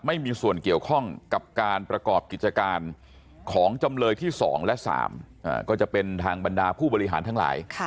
ไม่มีส่วนเกี่ยวข้องกับการประกอบกิจการของจำเลยที่๒และ๓ก็จะเป็นทางบรรดาผู้บริหารทั้งหลาย